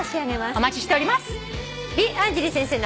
お待ちしております。